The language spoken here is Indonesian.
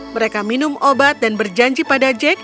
mereka minum obat dan berjanji pada jack